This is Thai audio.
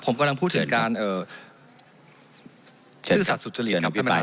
ผมกำลังพูดถึงการเอ่อชื่อสัตว์สุจริยะครับผมก็ได้